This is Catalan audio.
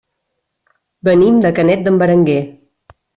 Venim de Canet d'en Berenguer.